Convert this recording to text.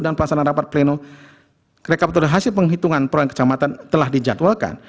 dan pelaksanaan rapat pleno rekapitulasi hasil penghitungan perolahan kecamatan telah dijadwalkan